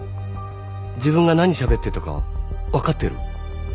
自分が何しゃべってたか分かってる？